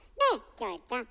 キョエちゃん。